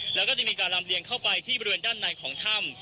แล้วก็จะมีการลำเลียงเข้าไปที่บริเวณด้านในของถ้ำ